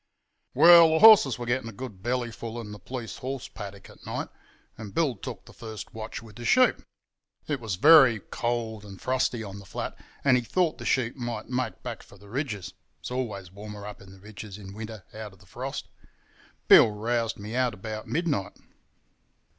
"Well, the horses were getting a good bellyful in the police horse paddock at night, and Bill took the first watch with the sheep. It was very cold and frosty on the flat and he thought the sheep might make back for the ridges, it's always warmer up in the ridges in winter out of the frost. Bill roused me out about midnight.